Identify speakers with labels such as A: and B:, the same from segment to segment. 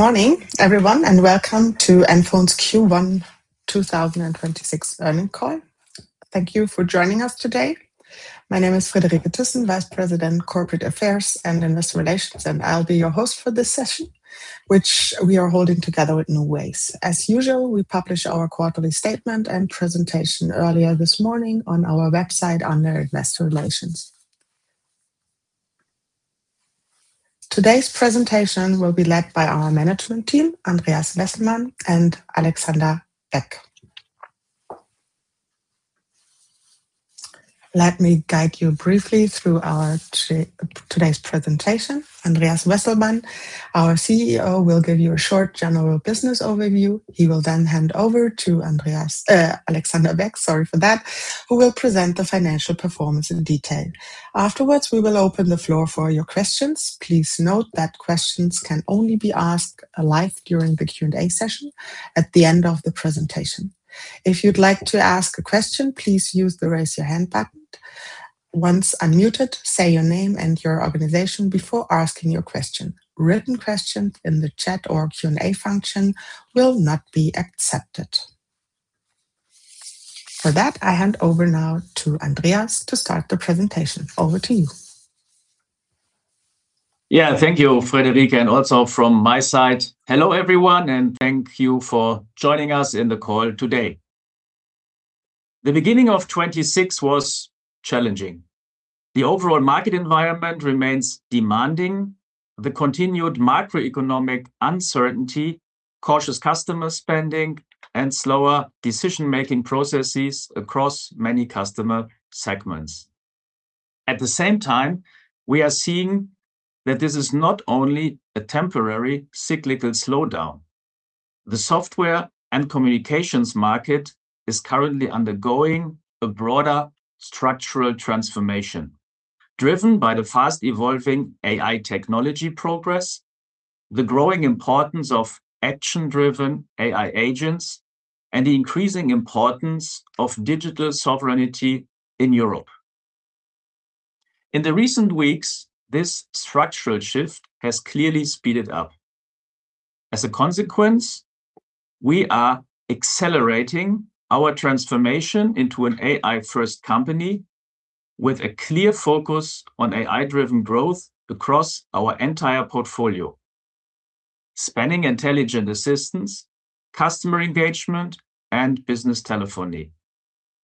A: Good morning, everyone, welcome to NFON's Q1 2026 earning call. Thank you for joining us today. My name is Friederike Thyssen, Vice President, Corporate Affairs & Investor Relations, and I'll be your host for this session, which we are holding together with NuWays. As usual, we publish our quarterly statement and presentation earlier this morning on our website under Investor Relations. Today's presentation will be led by our management team, Andreas Wesselmann and Alexander Beck. Let me guide you briefly through today's presentation. Andreas Wesselmann, our CEO, will give you a short general business overview. He will then hand over to Alexander Beck, sorry for that, who will present the financial performance in detail. Afterwards, we will open the floor for your questions. Please note that questions can only be asked live during the Q&A session at the end of the presentation. If you'd like to ask a question, please use the raise your hand button. Once unmuted, say your name and your organization before asking your question. Written questions in the chat or Q&A function will not be accepted. For that, I hand over now to Andreas to start the presentation. Over to you.
B: Yeah. Thank you, Friederike. Also from my side, hello everyone, and thank you for joining us in the call today. The beginning of 2026 was challenging. The overall market environment remains demanding. The continued macroeconomic uncertainty, cautious customer spending, and slower decision-making processes across many customer segments. At the same time, we are seeing that this is not only a temporary cyclical slowdown. The software and communications market is currently undergoing a broader structural transformation driven by the fast-evolving AI technology progress, the growing importance of action-driven AI agents, and the increasing importance of digital sovereignty in Europe. In the recent weeks, this structural shift has clearly speeded up. As a consequence, we are accelerating our transformation into an AI-first company with a clear focus on AI-driven growth across our entire portfolio. Spanning Intelligent Assistant, Customer Engagement, and business telephony,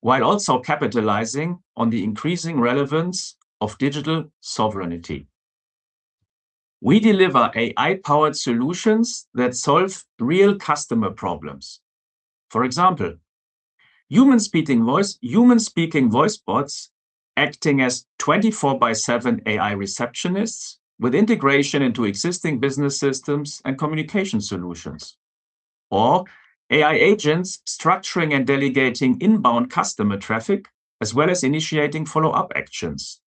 B: while also capitalizing on the increasing relevance of digital sovereignty. We deliver AI-powered solutions that solve real customer problems. For example, human-speaking voice bots acting as 24/7 AI receptionists with integration into existing business systems and communication solutions, AI agents structuring and delegating inbound customer traffic as well as initiating follow-up actions,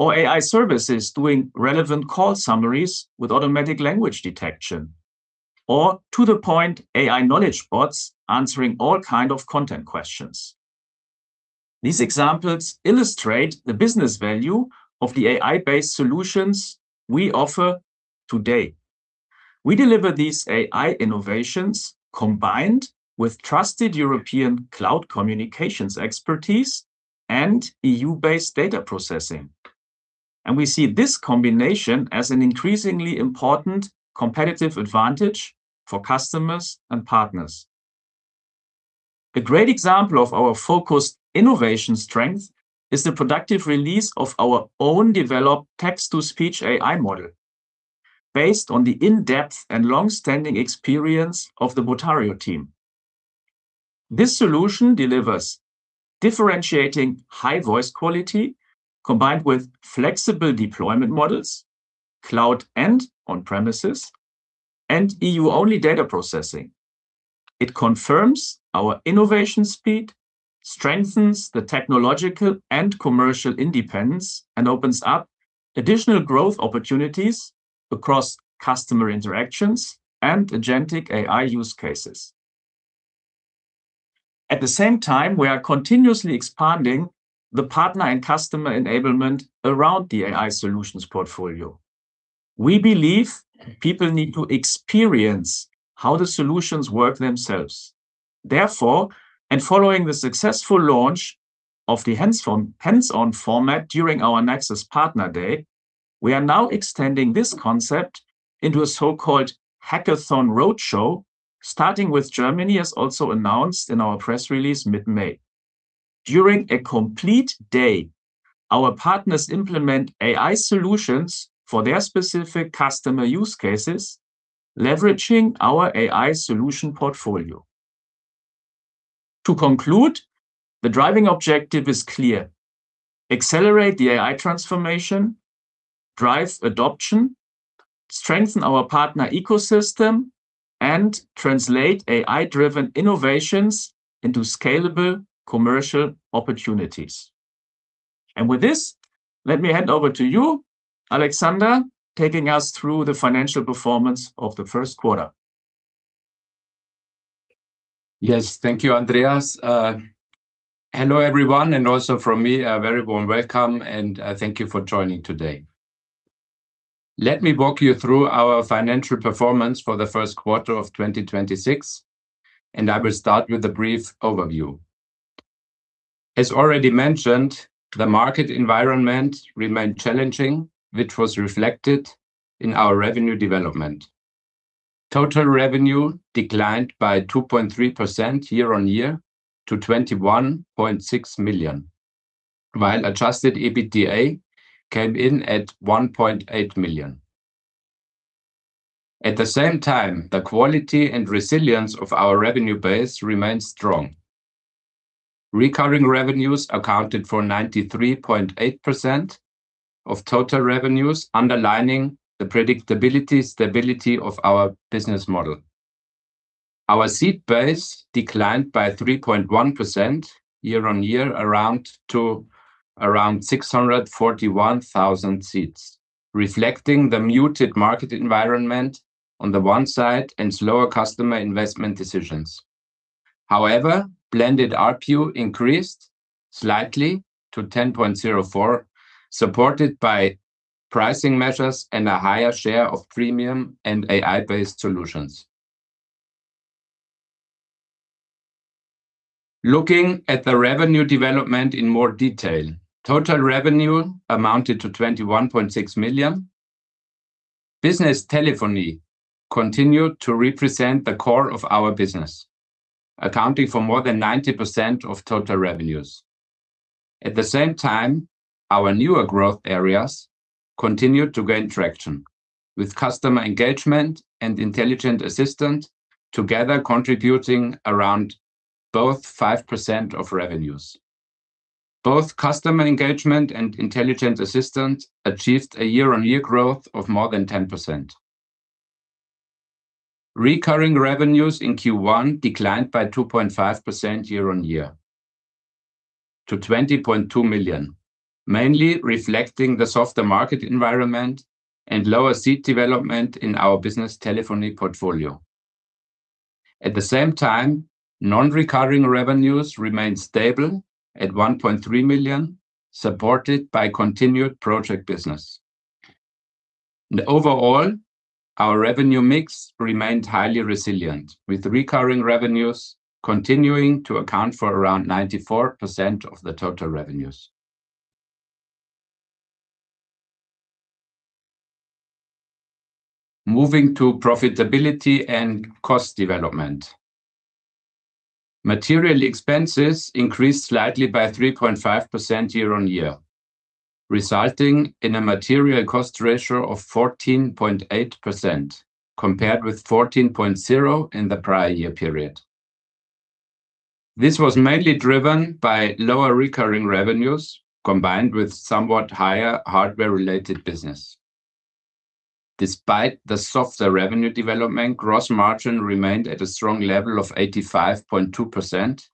B: AI services doing relevant call summaries with automatic language detection. To-the-point AI knowledge bots answering all kind of content questions. These examples illustrate the business value of the AI-based solutions we offer today. We deliver these AI innovations combined with trusted European cloud communications expertise and EU-based data processing. We see this combination as an increasingly important competitive advantage for customers and partners. A great example of our focused innovation strength is the productive release of our own developed text-to-speech AI model based on the in-depth and longstanding experience of the botario team. This solution delivers differentiating high voice quality combined with flexible deployment models, cloud and on-premises, and EU-only data processing. It confirms our innovation speed, strengthens the technological and commercial independence, and opens up additional growth opportunities across customer interactions and agentic AI use cases. At the same time, we are continuously expanding the partner and customer enablement around the AI solutions portfolio. We believe people need to experience how the solutions work themselves. Therefore, and following the successful launch of the hands-on format during our Nexus Partner Day, we are now extending this concept into a so-called Hackathon Roadshow, starting with Germany, as also announced in our press release mid-May. During a complete day, our partners implement AI solutions for their specific customer use cases, leveraging our AI solution portfolio. To conclude, the driving objective is clear. Accelerate the AI transformation, drive adoption, strengthen our partner ecosystem, and translate AI-driven innovations into scalable commercial opportunities. With this, let me hand over to you, Alexander, taking us through the financial performance of the first quarter.
C: Yes. Thank you, Andreas. Hello everyone, also from me, a very warm welcome and thank you for joining today. Let me walk you through our financial performance for the first quarter of 2026. I will start with a brief overview. As already mentioned, the market environment remained challenging, which was reflected in our revenue development. Total revenue declined by 2.3% year-on-year to 21.6 million, while adjusted EBITDA came in at 1.8 million. At the same time, the quality and resilience of our revenue base remains strong. Recurring revenues accounted for 93.8% of total revenues, underlining the predictability, stability of our business model. Our seat base declined by 3.1% year-on-year to around 641,000 seats, reflecting the muted market environment on the one side and slower customer investment decisions. However, blended ARPU increased slightly to 10.04, supported by pricing measures and a higher share of premium and AI-based solutions. Looking at the revenue development in more detail. Total revenue amounted to 21.6 million. Business telephony continued to represent the core of our business, accounting for more than 90% of total revenues. At the same time, our newer growth areas continued to gain traction with Customer Engagement and Intelligent Assistant together contributing around both 5% of revenues. Both Customer Engagement and Intelligent Assistant achieved a year-on-year growth of more than 10%. Recurring revenues in Q1 declined by 2.5% year-on-year to 20.2 million, mainly reflecting the softer market environment and lower seat development in our business telephony portfolio. At the same time, non-recurring revenues remained stable at 1.3 million, supported by continued project business. Overall, our revenue mix remained highly resilient, with recurring revenues continuing to account for around 94% of the total revenues. Moving to profitability and cost development. Material expenses increased slightly by 3.5% year-on-year, resulting in a material cost ratio of 14.8%, compared with 14.0% in the prior year period. This was mainly driven by lower recurring revenues, combined with somewhat higher hardware-related business. Despite the softer revenue development, gross margin remained at a strong level of 85.2%,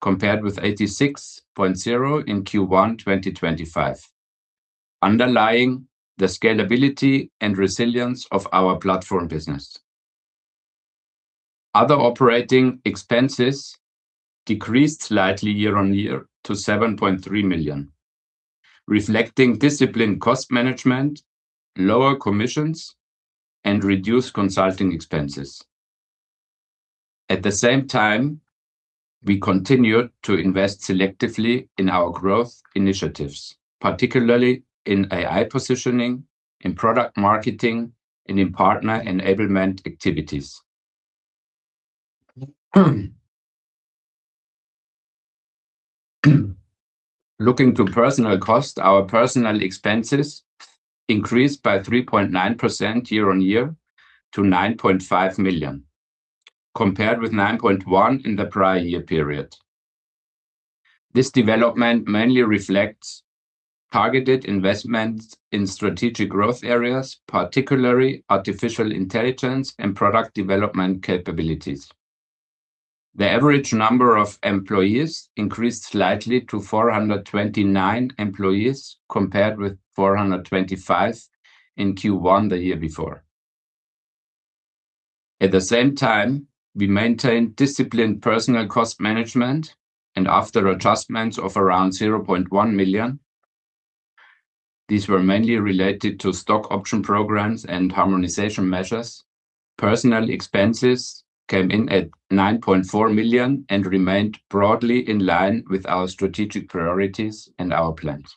C: compared with 86.0% in Q1 2025, underlying the scalability and resilience of our platform business. Other operating expenses decreased slightly year-on-year to 7.3 million, reflecting disciplined cost management, lower commissions, and reduced consulting expenses. At the same time, we continued to invest selectively in our growth initiatives, particularly in AI positioning, in product marketing, and in partner enablement activities. Looking to personnel cost, our personnel expenses increased by 3.9% year-on-year to 9.5 million, compared with 9.1 million in the prior year period. This development mainly reflects targeted investments in strategic growth areas, particularly artificial intelligence and product development capabilities. The average number of employees increased slightly to 429 employees, compared with 425 in Q1 the year before. At the same time, we maintained disciplined personnel cost management and after adjustments of around 0.1 million, these were mainly related to stock option programs and harmonization measures. Personnel expenses came in at 9.4 million and remained broadly in line with our strategic priorities and our plans.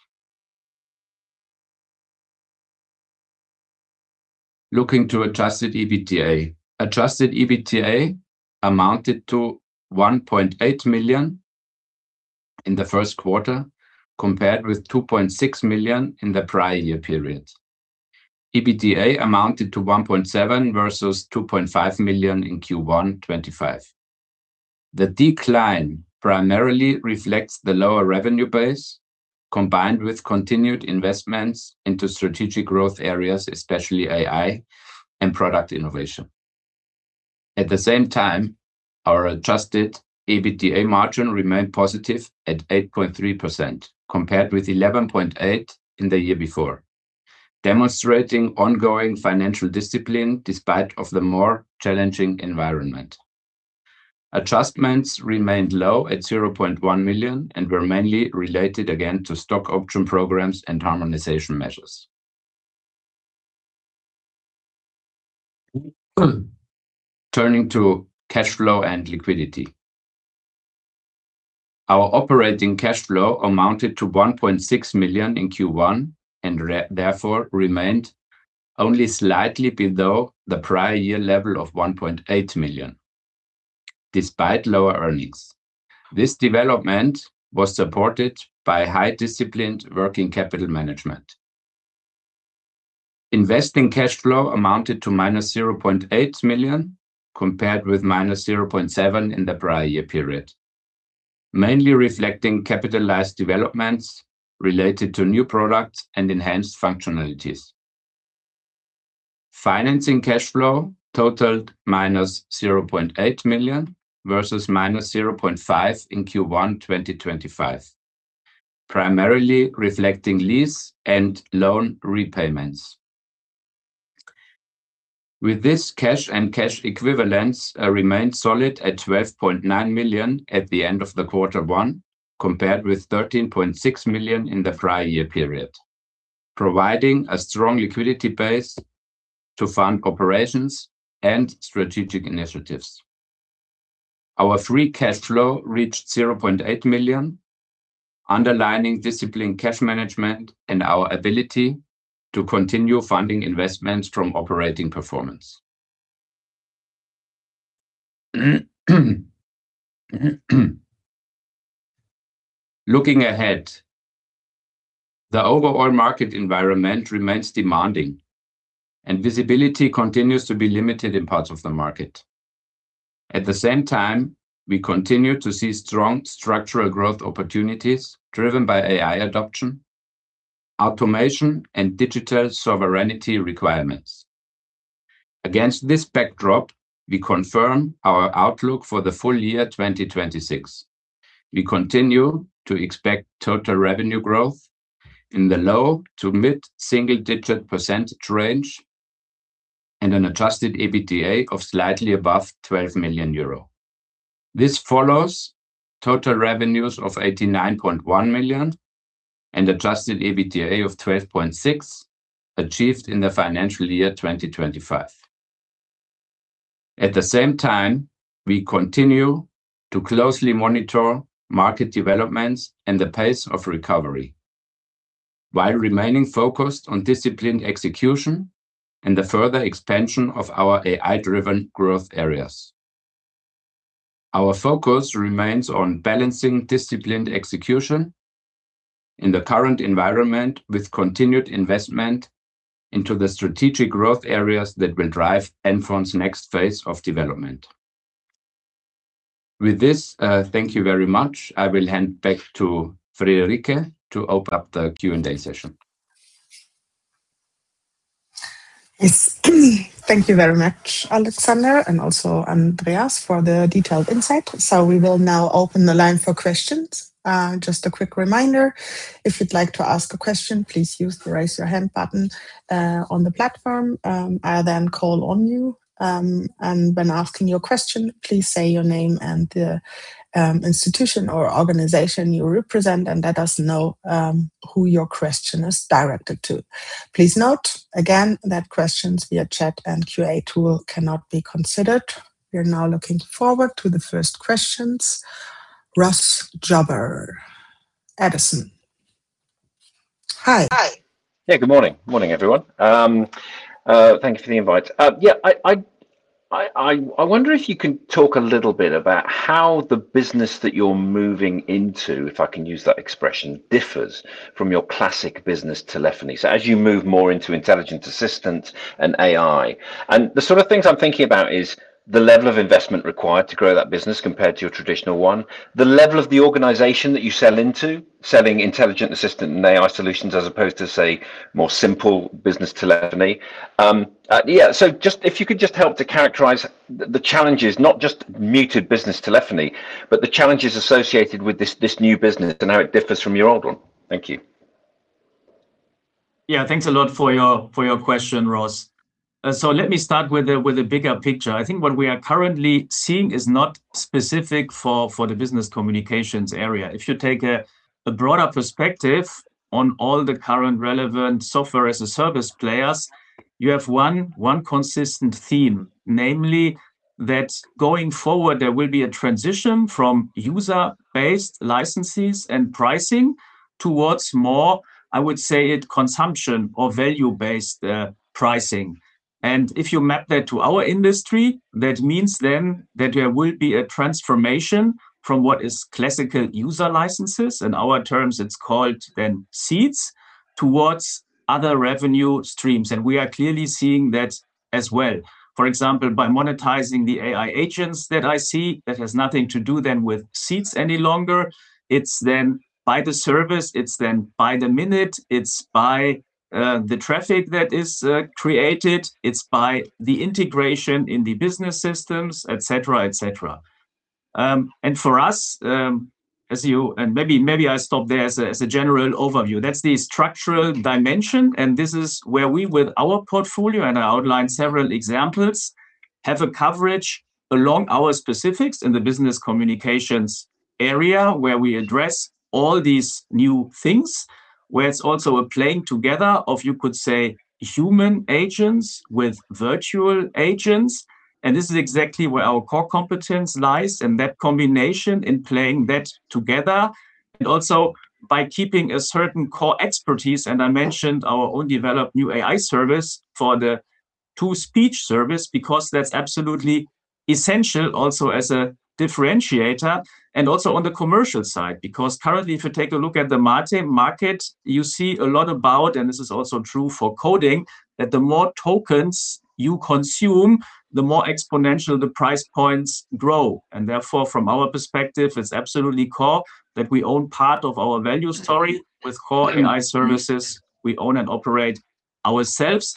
C: Looking to adjusted EBITDA. Adjusted EBITDA amounted to 1.8 million in the first quarter, compared with 2.6 million in the prior year period. EBITDA amounted to 1.7 versus 2.5 million in Q1 2025. The decline primarily reflects the lower revenue base, combined with continued investments into strategic growth areas, especially AI and product innovation. At the same time, our adjusted EBITDA margin remained positive at 8.3%, compared with 11.8% in the year before. Demonstrating ongoing financial discipline despite of the more challenging environment. Adjustments remained low at 0.1 million and were mainly related again to stock option programs and harmonization measures. Turning to cash flow and liquidity. Our operating cash flow amounted to 1.6 million in Q1, and therefore remained only slightly below the prior year level of 1.8 million, despite lower earnings. This development was supported by high disciplined working capital management. Investing cash flow amounted to -0.8 million, compared with -0.7 in the prior year period. Mainly reflecting capitalized developments related to new products and enhanced functionalities. Financing cash flow totaled -0.8 million versus -0.5 in Q1 2025, primarily reflecting lease and loan repayments. With this cash and cash equivalents remained solid at 12.9 million at the end of the Q1, compared with 13.6 million in the prior year period, providing a strong liquidity base to fund operations and strategic initiatives. Our free cash flow reached 0.8 million, underlining disciplined cash management and our ability to continue funding investments from operating performance. Looking ahead, the overall market environment remains demanding and visibility continues to be limited in parts of the market. At the same time, we continue to see strong structural growth opportunities driven by AI adoption, automation, and digital sovereignty requirements. Against this backdrop, we confirm our outlook for the full year 2026. We continue to expect total revenue growth in the low to mid-single digit percentage range and an adjusted EBITDA of slightly above 12 million euro. This follows total revenues of 89.1 million and adjusted EBITDA of 12.6 achieved in the financial year 2025. At the same time, we continue to closely monitor market developments and the pace of recovery while remaining focused on disciplined execution and the further expansion of our AI-driven growth areas. Our focus remains on balancing disciplined execution in the current environment with continued investment into the strategic growth areas that will drive NFON's next phase of development. With this, thank you very much. I will hand back to Friederike to open up the Q&A session.
A: Yes. Thank you very much, Alexander, and also Andreas for the detailed insight. We will now open the line for questions. Just a quick reminder, if you'd like to ask a question, please use the raise your hand button on the platform. I'll then call on you, and when asking your question, please say your name and the institution or organization you represent and let us know who your question is directed to. Please note again that questions via chat and Q&A tool cannot be considered. We're now looking forward to the first questions. Ross Jobber. Edison. Hi.
D: Hi. Yeah. Good morning. Morning, everyone. Thank you for the invite. I wonder if you can talk a little bit about how the business that you're moving into, if I can use that expression, differs from your classic business telephony. As you move more into Intelligent Assistant and AI. The sort of things I'm thinking about is the level of investment required to grow that business compared to your traditional one, the level of the organization that you sell into, selling Intelligent Assistant and AI solutions, as opposed to, say, more simple business telephony. If you could just help to characterize the challenges, not just mature business telephony, but the challenges associated with this new business and how it differs from your old one. Thank you.
B: Yeah, thanks a lot for your question, Ross. Let me start with the bigger picture. I think what we are currently seeing is not specific for the business communications area. If you take a broader perspective on all the current relevant software-as-a-service players, you have one consistent theme, namely that going forward, there will be a transition from user-based licenses and pricing towards more, I would say it, consumption or value-based pricing. If you map that to our industry, that means then that there will be a transformation from what is classical user licenses, in our terms it's called then seats, towards other revenue streams. We are clearly seeing that as well. For example, by monetizing the AI agents that I see, that has nothing to do then with seats any longer. It's then by the service, it's then by the minute, it's by the traffic that is created, it's by the integration in the business systems, et cetera. For us, and maybe I stop there as a general overview. That's the structural dimension, this is where we, with our portfolio, and I outlined several examples, have a coverage along our specifics in the business communications area, where we address all these new things, where it's also a playing together of, you could say, human agents with virtual agents. This is exactly where our core competence lies, that combination in playing that together, also by keeping a certain core expertise. I mentioned our own developed new AI service for the text-to-speech service because that's absolutely essential also as a differentiator also on the commercial side. Currently, if you take a look at the market, you see a lot about, this is also true for coding, that the more tokens you consume, the more exponential the price points grow. Therefore, from our perspective, it's absolutely core that we own part of our value story with core AI services we own and operate ourselves.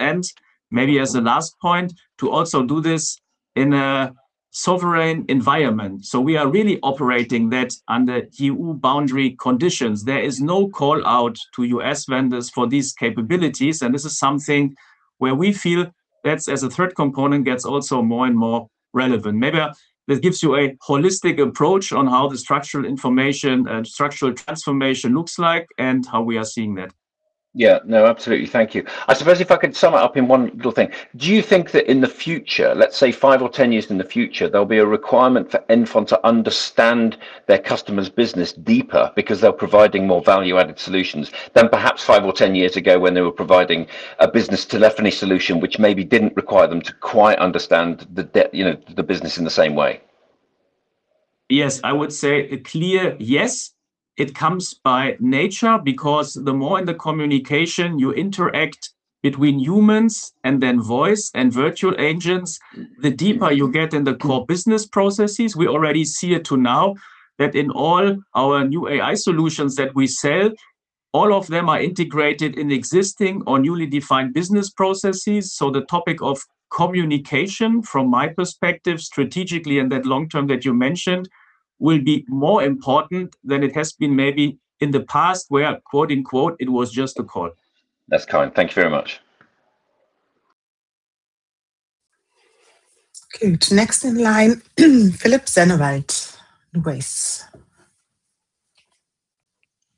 B: Maybe as the last point, to also do this in a sovereign environment. We are really operating that under EU boundary conditions. There is no call-out to U.S. vendors for these capabilities, and this is something where we feel that, as a third component, gets also more and more relevant. Maybe that gives you a holistic approach on how the structural information and structural transformation looks like and how we are seeing that.
D: Yeah. No, absolutely. Thank you. I suppose if I could sum it up in one little thing. Do you think that in the future, let's say five or 10 years in the future, there'll be a requirement for NFON to understand their customer's business deeper because they're providing more value-added solutions than perhaps five or 10 years ago when they were providing a business telephony solution, which maybe didn't require them to quite understand the business in the same way?
B: Yes. I would say a clear yes. It comes by nature because the more in the communication you interact between humans and then voice and virtual agents, the deeper you get in the core business processes. We already see it to now that in all our new AI solutions that we sell, all of them are integrated in existing or newly defined business processes. The topic of communication, from my perspective, strategically and that long term that you mentioned, will be more important than it has been maybe in the past where "it was just a call.
D: That's kind. Thank you very much.
A: Okay, next in line, Philipp Sennewald, NuWays.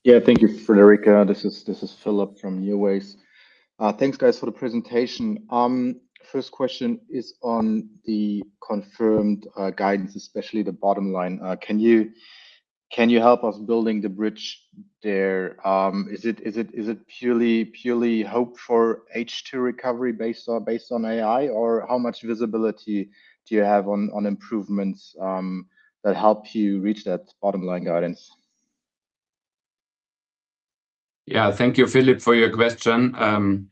E: Yeah. Thank you, Friederike. This is Philipp from NuWays. Thanks, guys, for the presentation. First question is on the confirmed guidance, especially the bottom line. Can you help us building the bridge there? Is it purely hope for H2 recovery based on AI, or how much visibility do you have on improvements, that help you reach that bottom-line guidance?
C: Thank you, Philipp, for your question.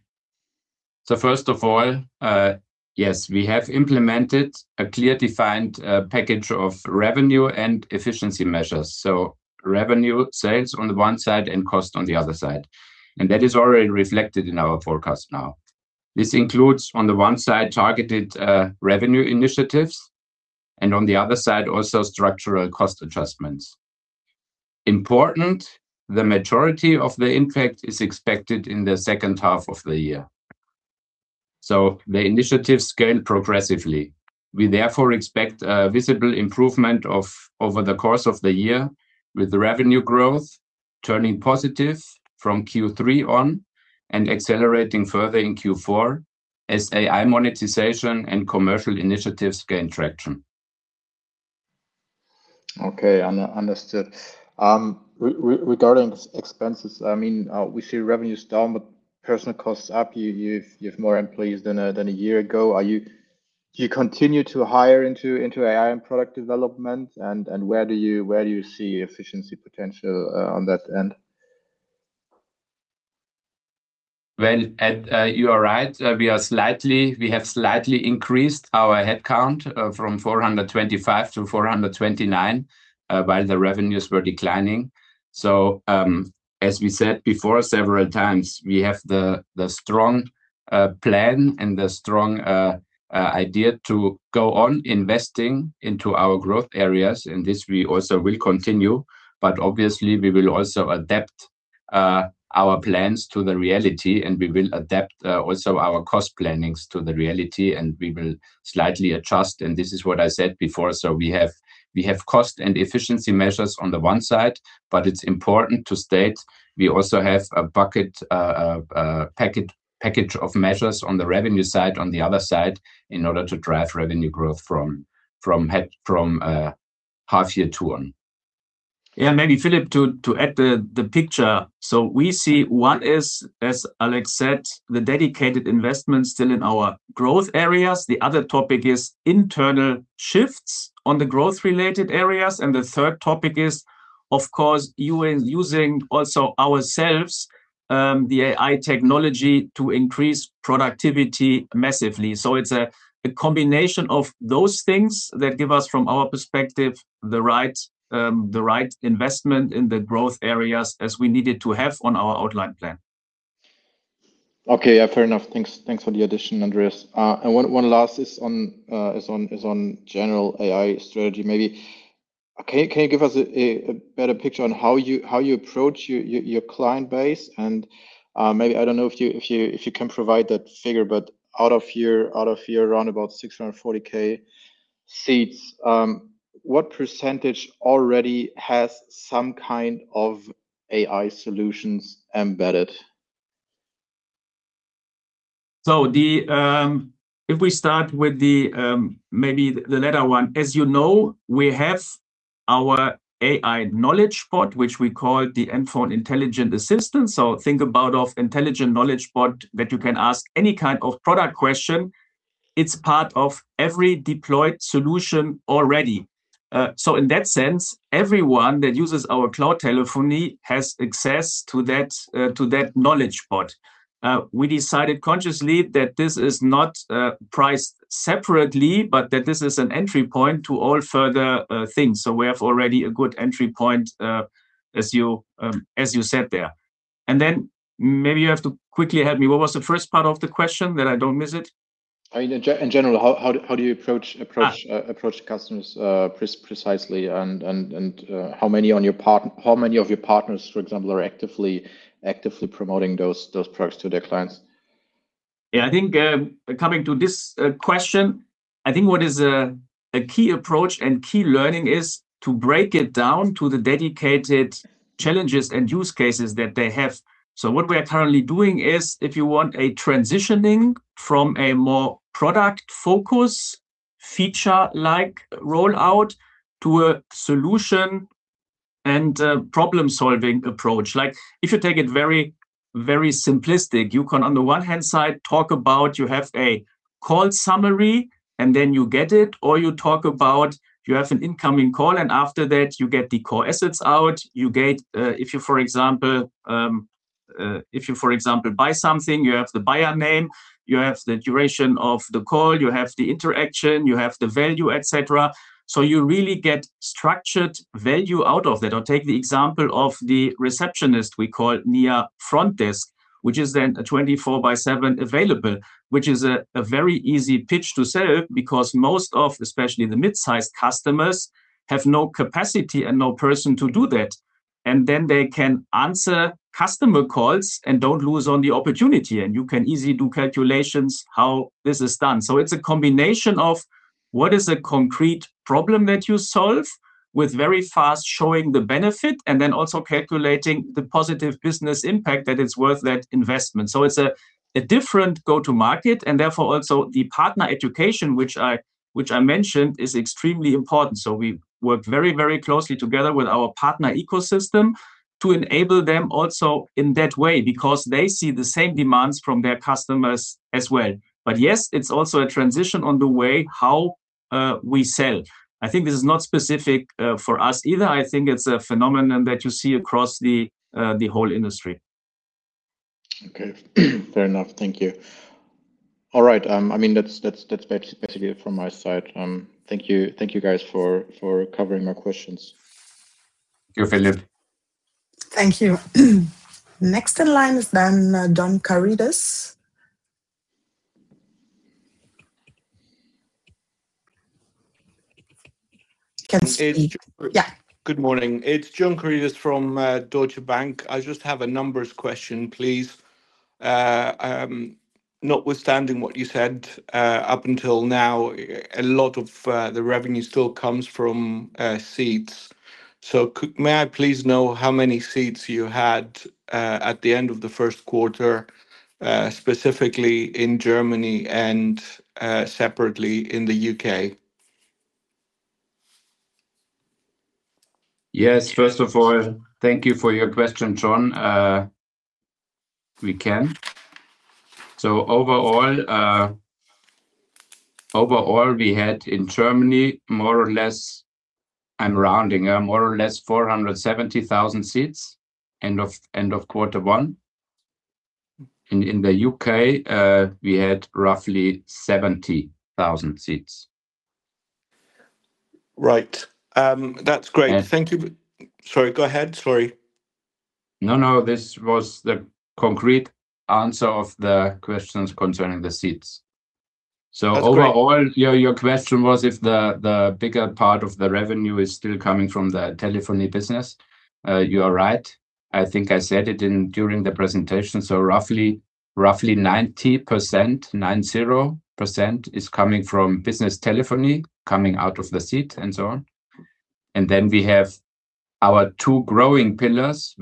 C: First of all, yes, we have implemented a clear defined package of revenue and efficiency measures. Revenue sales on the one side and cost on the other side. That is already reflected in our forecast now. This includes, on the one side, targeted revenue initiatives, and on the other side, also structural cost adjustments. Important, the majority of the impact is expected in the second half of the year. The initiatives scale progressively. We therefore expect a visible improvement over the course of the year, with revenue growth turning positive from Q3 on and accelerating further in Q4 as AI monetization and commercial initiatives gain traction.
E: Okay. Understood. Regarding expenses, we see revenues down but personal costs up. You have more employees than a year ago. Do you continue to hire into AI and product development, and where do you see efficiency potential on that end?
C: Well, you are right. We have slightly increased our headcount from 425 to 429, while the revenues were declining. As we said before several times, we have the strong plan and the strong idea to go on investing into our growth areas, and this we also will continue. Obviously, we will also adapt our plans to the reality, and we will adapt also our cost plannings to the reality, and we will slightly adjust. This is what I said before. We have cost and efficiency measures on the one side, but it's important to state we also have a package of measures on the revenue side, on the other side, in order to drive revenue growth from half year two on.
B: Yeah. Maybe Philipp, to add the picture. We see one is, as Alex said, the dedicated investment still in our growth areas. The other topic is internal shifts on the growth-related areas. The third topic is, of course, using also ourselves, the AI technology to increase productivity massively. It's a combination of those things that give us, from our perspective, the right investment in the growth areas as we needed to have on our outline plan.
E: Okay, fair enough. Thanks for the addition, Andreas. One last is on general AI strategy maybe. Can you give us a better picture on how you approach your client base? Maybe, I don't know if you can provide that figure, but out of your roundabout 640,000 seats, what percentage already has some kind of AI solutions embedded?
B: If we start with maybe the latter one, as you know, we have our AI knowledge bot, which we call the NFON Intelligent Assistant. Think about of intelligent knowledge bot that you can ask any kind of product question. It's part of every deployed solution already. In that sense, everyone that uses our cloud telephony has access to that knowledge bot. We decided consciously that this is not priced separately, but that this is an entry point to all further things. We have already a good entry point as you said there. Maybe you have to quickly help me. What was the first part of the question that I don't miss it?
E: In general, how do you approach customers precisely and how many of your partners, for example, are actively promoting those products to their clients?
B: Yeah, I think coming to this question, I think what is a key approach and key learning is to break it down to the dedicated challenges and use cases that they have. What we are currently doing is if you want a transitioning from a more product-focused feature like rollout to a solution and problem-solving approach. If you take it very simplistic, you can on the one-hand side talk about you have a call summary and then you get it, or you talk about you have an incoming call and after that you get the core assets out. You get, if you, for example, buy something, you have the buyer name, you have the duration of the call, you have the interaction, you have the value, et cetera. You really get structured value out of that. Take the example of the receptionist we call Nia FrontDesk, which is then a 24 by 7 available, which is a very easy pitch to sell because most of, especially the mid-size customers, have no capacity and no person to do that. Then they can answer customer calls and don't lose on the opportunity. You can easily do calculations how this is done. It's a combination of what is a concrete problem that you solve with very fast showing the benefit and then also calculating the positive business impact that it's worth that investment. It's a different go-to market and therefore also the partner education, which I mentioned is extremely important. We work very closely together with our partner ecosystem to enable them also in that way because they see the same demands from their customers as well. Yes, it's also a transition on the way how we sell. I think this is not specific for us either. I think it's a phenomenon that you see across the whole industry.
E: Okay. Fair enough. Thank you. All right. That's basically it from my side. Thank you guys for covering my questions.
B: Thank you, Philipp.
A: Thank you. Next in line is then John Karidis. Can speak. Yeah.
F: Good morning. It's John Karidis from Deutsche Bank. I just have a numbers question, please. Notwithstanding what you said, up until now, a lot of the revenue still comes from seats. May I please know how many seats you had at the end of the first quarter, specifically in Germany and separately in the U.K.?
C: Yes. First of all, thank you for your question, John. We can. Overall, we had in Germany more or less, I'm rounding, more or less 470,000 seats end of quarter one. In the U.K., we had roughly 70,000 seats.
F: Right. That's great. Thank you. Sorry, go ahead. Sorry.
C: No, this was the concrete answer of the questions concerning the seats.
F: That's great.
C: Overall, your question was if the bigger part of the revenue is still coming from the telephony business. You are right. I think I said it during the presentation. Roughly 90% is coming from business telephony, coming out of the seat and so on. We have our two growing pillars.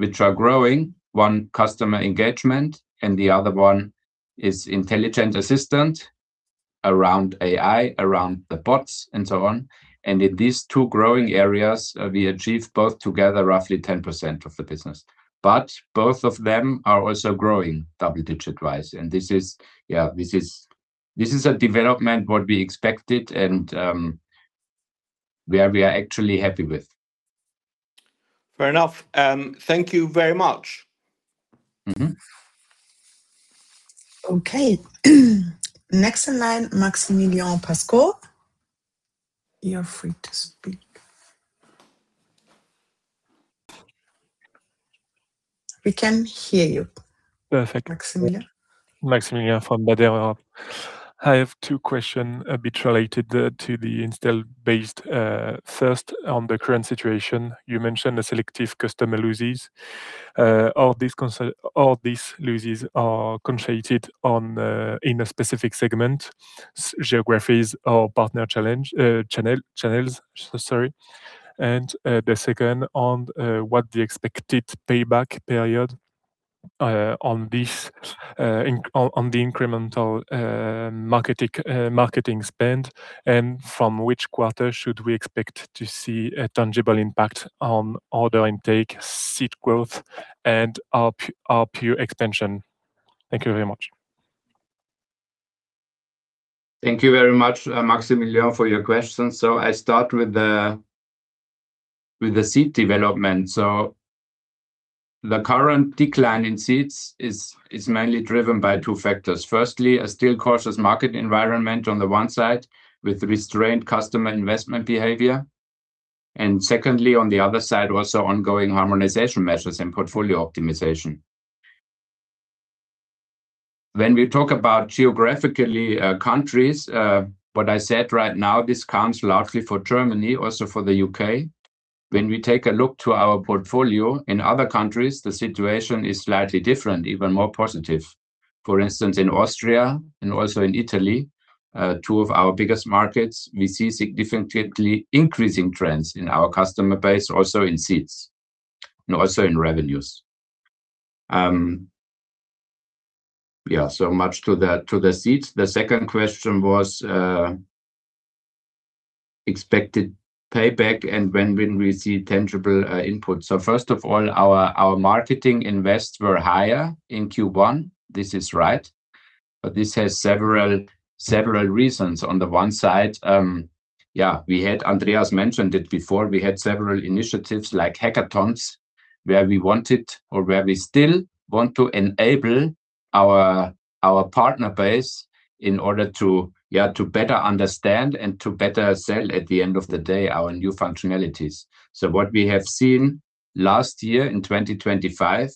C: One Customer Engagement and the other one is Intelligent Assistant around AI, around the bots and so on. In these two growing areas, we achieve both together roughly 10% of the business. Both of them are also growing double-digit wise. This is a development what we expected and where we are actually happy with.
F: Fair enough. Thank you very much.
A: Okay. Next in line, Maximilian Pascal. You're free to speak. We can hear you.
G: Perfect.
A: Maximilian.
G: Maximilian from. I have two question a bit related to the install base. First, on the current situation, you mentioned the selective customer losses. Are these losses concentrated in a specific segment, geographies or partner channels? Sorry. The second on what the expected payback period on the incremental marketing spend, and from which quarter should we expect to see a tangible impact on order intake, seat growth, and ARPU expansion? Thank you very much.
C: Thank you very much, Maximilian, for your question. I start with the seat development. The current decline in seats is mainly driven by two factors. Firstly, a still cautious market environment on the one side with restrained customer investment behavior. Secondly, on the other side, also ongoing harmonization measures and portfolio optimization. When we talk about geographically countries, what I said right now, this counts largely for Germany, also for the U.K. When we take a look to our portfolio in other countries, the situation is slightly different, even more positive. For instance, in Austria and also in Italy, two of our biggest markets, we see significantly increasing trends in our customer base, also in seats and also in revenues. Much to the seats. The second question was expected payback and when we see tangible input. First of all, our marketing invests were higher in Q1, this is right. This has several reasons. On the one side, Andreas mentioned it before, we had several initiatives like hackathons where we wanted or where we still want to enable our partner base in order to better understand and to better sell, at the end of the day, our new functionalities. What we have seen last year in 2025,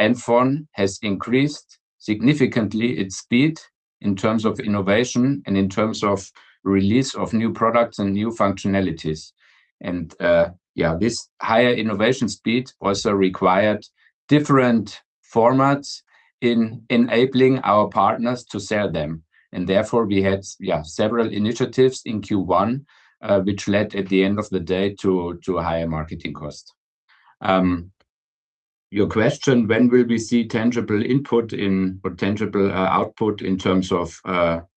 C: NFON has increased significantly its speed in terms of innovation and in terms of release of new products and new functionalities. This higher innovation speed also required different formats in enabling our partners to sell them. Therefore we had several initiatives in Q1, which led at the end of the day to a higher marketing cost. Your question, when will we see tangible output in terms of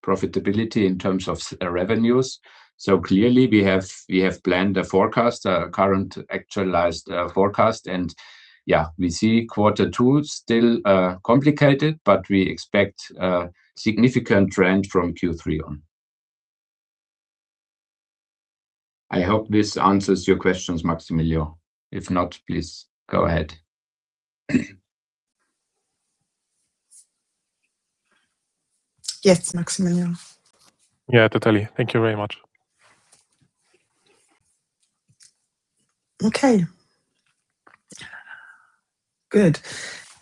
C: profitability, in terms of revenues? Clearly we have planned a forecast, a current actualized forecast. We see Q2 still complicated, but we expect a significant trend from Q3 on. I hope this answers your questions, Maximilian. If not, please go ahead.
A: Yes, Maximilian.
G: Yeah, totally. Thank you very much.
A: Okay. Good.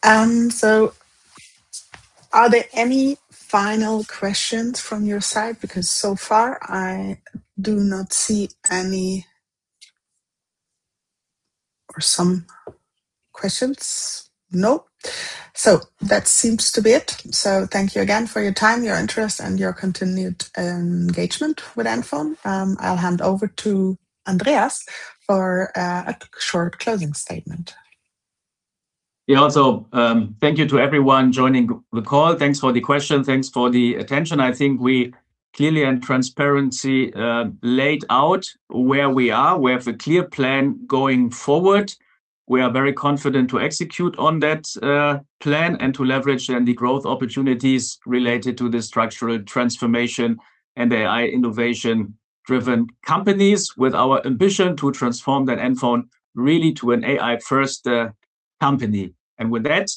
A: Are there any final questions from your side? Because so far I do not see any or some questions. No. That seems to be it. Thank you again for your time, your interest, and your continued engagement with NFON. I'll hand over to Andreas for a short closing statement.
B: Thank you to everyone joining the call. Thanks for the question. Thanks for the attention. I think we clearly and transparency laid out where we are. We have a clear plan going forward. We are very confident to execute on that plan and to leverage then the growth opportunities related to the structural transformation and AI innovation-driven companies with our ambition to transform that NFON really to an AI-first company. With that,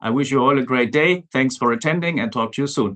B: I wish you all a great day. Thanks for attending, and talk to you soon.